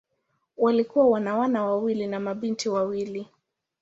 Walikuwa wana wawili na mabinti wawili.